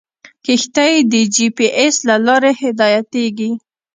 کښتۍ د جي پي ایس له لارې هدایتېږي.